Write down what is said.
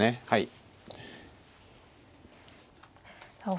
はい。